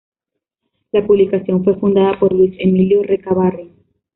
La publicación fue fundada por Luis Emilio Recabarren.